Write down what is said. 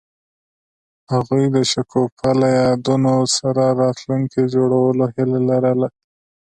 هغوی د شګوفه له یادونو سره راتلونکی جوړولو هیله لرله.